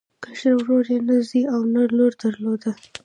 کشر ورور یې نه زوی او نه لور درلوده.